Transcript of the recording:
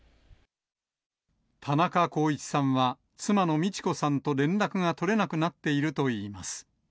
田中公一さんは、妻の路子さんと連絡が取れなくなっているといいます。